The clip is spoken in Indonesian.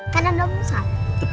kan ada umsal